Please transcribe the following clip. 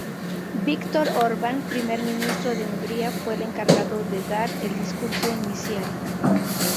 Viktor Orbán, primer ministro de Hungría, fue el encargado de dar el discurso inicial.